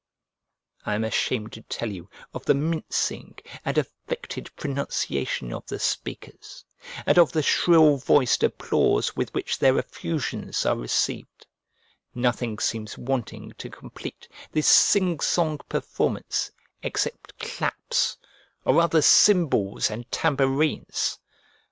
I am ashamed to tell you of the mincing and affected pronunciation of the speakers, and of the shrill voiced applause with which their effusions are received; nothing seems wanting to complete this sing song performance except claps, or rather cymbals and tambourines.